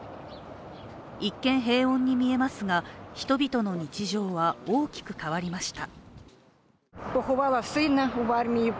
一見、平穏に見えますが人々の日常は大きく変わりました。